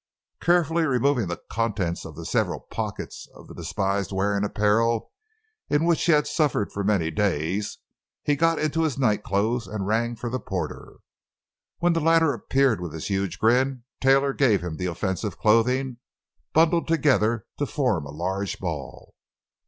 Carefully removing the contents of the several pockets of the despised wearing apparel in which he had suffered for many days, he got into his nightclothes and rang for the porter. When the latter appeared with his huge grin, Taylor gave him the offensive clothing, bundled together to form a large ball.